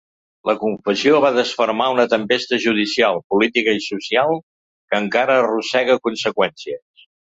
La confessió va desfermar una tempesta judicial, política i social que encara arrossega conseqüències.